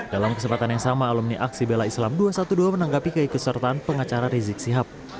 dalam kesempatan yang sama alumni aksi bela islam dua ratus dua belas menanggapi keikutsertaan pengacara rizik sihab